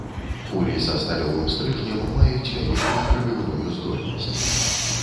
Кулі са сталёвым стрыжнем маюць вялікую прабіўную здольнасць.